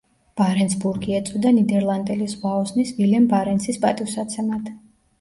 ბარენცბურგი ეწოდა ნიდერლანდელი ზღვაოსნის ვილემ ბარენცის პატივსაცემად.